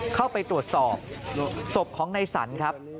เข้าไปตรวจสอบศพของในสรรครับ